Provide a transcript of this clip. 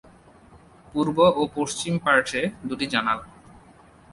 পূর্ব ও পশ্চিম পার্শ্বে দুটি জানালা।